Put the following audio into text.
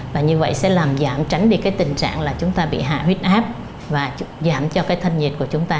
và như vậy sẽ làm giảm tránh đi cái tình trạng là chúng ta bị hạ huyết áp và giảm cho cái thân nhiệt của chúng ta